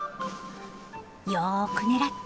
よく狙って！